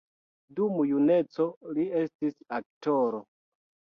Dum juneco li estis aktoro.